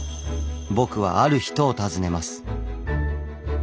僕はある人を訪ねます。